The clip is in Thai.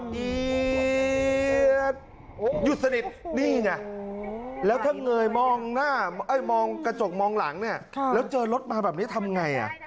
หยุดสนิทนี่น่ะแล้วถ้าเงยมองกระจกมองหลังแล้วเจอรถมาแบบนี้ทำไง